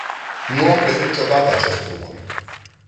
Nu am crezut niciodată acest lucru!